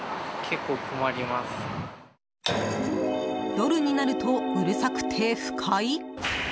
夜になるとうるさくて、不快。